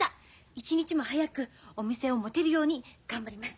一日も早くお店を持てるように頑張ります。